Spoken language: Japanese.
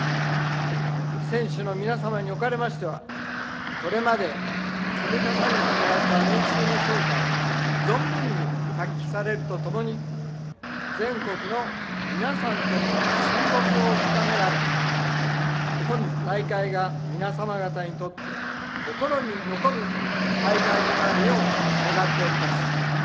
選手の皆様におかれましてはこれまで積み重ねてこられた練習の成果を存分に発揮されるとともに全国の皆さんとの親睦を深められ本大会が皆様方にとって心に残る大会となるよう願っております。